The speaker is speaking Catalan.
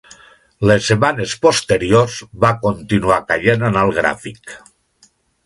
Les setmanes posteriors, va continuar caient en el gràfic.